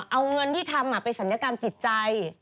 เอาเงินที่ทำไปศัลยกรรมจิตใจ